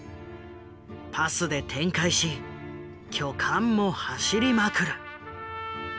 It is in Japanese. パスで展開し巨漢も走りまくる。